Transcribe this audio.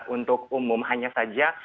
untuk umum hanya saja